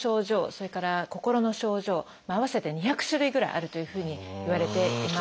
それから心の症状合わせて２００種類ぐらいあるというふうにいわれています。